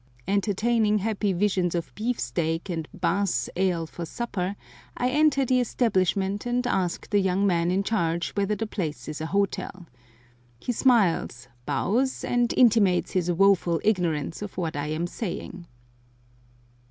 Entertaining happy visions of beefsteak and Bass's ale for supper, I enter the establishment and ask the young man in charge whether the place is an hotel. He smiles, bows, and intimates his woeful ignorance of what I am saying.